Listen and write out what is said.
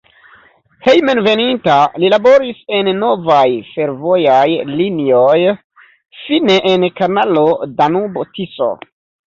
Hejmenveninta li laboris en novaj fervojaj linioj, fine en kanalo Danubo-Tiso.